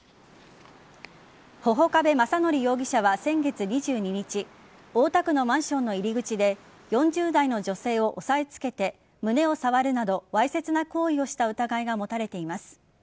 波々伯部正規容疑者は先月２２日大田区のマンションの入り口で４０代の女性を押さえ付けて胸を触るなどわいせつな行為をした疑いが持たれています。